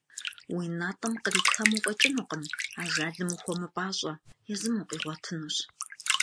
Уи натӀэм къритхам уфӀэкӀынукъым, ажалым ухуэмыпӀащӀэ, езым укъигъуэтынущ.